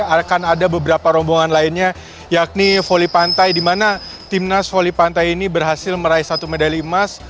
akan ada beberapa rombongan lainnya yakni voli pantai di mana timnas voli pantai ini berhasil meraih satu medali emas